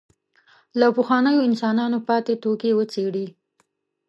له پخوانیو انسانانو پاتې توکي وڅېړي.